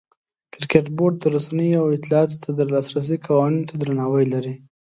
کرکټ بورډ د رسنیو او اطلاعاتو ته د لاسرسي قوانینو ته درناوی لري.